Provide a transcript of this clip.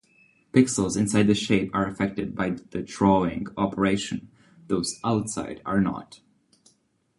Pixels inside the shape are affected by the drawing operation, those outside are not.